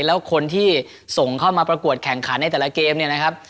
แล้วคนที่ส่งเข้ามาประกวดแข่งขันในแต่ละเกมเนี่ยนะครับ